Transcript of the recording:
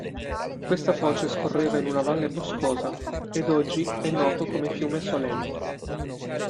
Questa foce scorreva in una valle boscosa ed è oggi noto come fiume Solent.